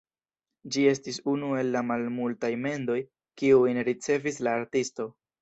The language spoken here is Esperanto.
Ĝi estis unu el la malmultaj mendoj, kiujn ricevis la artisto.